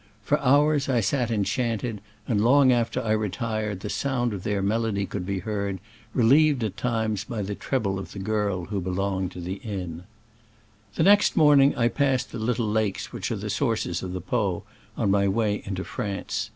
For hours I sat enchanted, and long after I retired the sound of their melody could be heard, relieved at times by the treble of the girl who belonged to the inn. The next morning I passed the little lakes which are the sources of the Po, on my way into France.